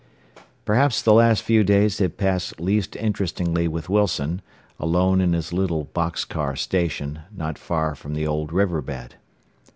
Perhaps the last few days had passed least interestingly with Wilson, alone in his little box car station, not far from the old river bed.